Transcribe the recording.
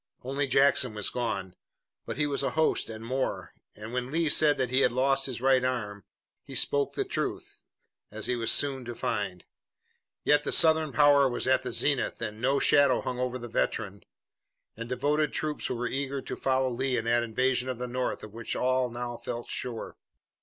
Only Jackson was gone, but he was a host and more, and when Lee said that he had lost his right arm, he spoke the truth, as he was soon to find. Yet the Southern power was at the zenith and no shadow hung over the veteran and devoted troops who were eager to follow Lee in that invasion of the North of which all now felt sure.